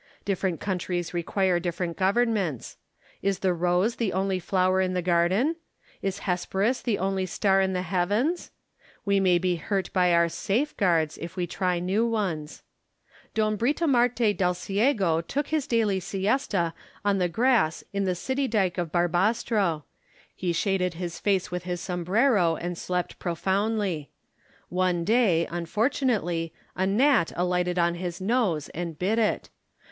Different countries require different governments. Is the rose the only flower in the garden ? Is Hesperus the only star in the heavens ? We may be £urt by our safeguards, if we try new ones. Don Britomarte Delciego took his daily siesta on the grass in the city dyke of Barbastro : he shaded his face with his sombrero, and slept profoundly. One day, unfortunately, a gnat alighted on his nose and bit it.